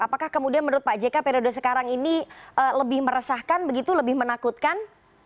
apakah kemudian menurut pak jk periode sekarang ini lebih meresahkan begitu lebih menakutkan